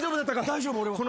大丈夫俺は。